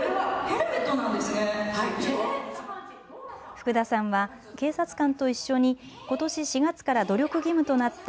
福田さんは警察官と一緒にことし４月から努力義務となった